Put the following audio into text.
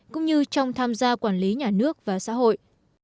cũng như trong tham gia quản lý nhà nước và xã hội